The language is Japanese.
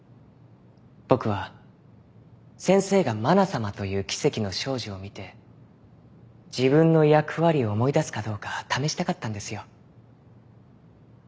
僕は先生がまな様という奇跡の少女を見て自分の役割を思い出すかどうか試したかったんですよ。